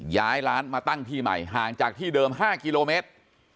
ย้ายร้านมาตั้งที่ใหม่ห่างจากที่เดิม๕กิโลเมตร